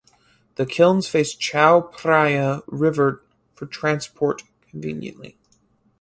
The kilns face Chao Phraya River for transport conveniently.